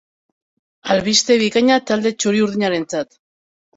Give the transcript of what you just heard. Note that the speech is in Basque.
Albiste bikaina talde txuri-urdinarentzat.